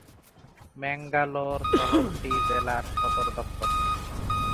ম্যাঙ্গালোর শহরটি জেলার সদর দফতর।